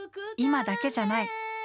今だけじゃない。